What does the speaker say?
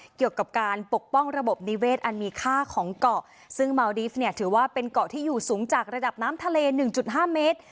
เกี่ยวกับการปกป้องระบบนิเวศอันมีค่าของเกาะซึ่งเมาดีฟเนี่ยถือว่าเป็นเกาะที่อยู่สูงจากระดับน้ำทะเลหนึ่งจุดห้าเมตร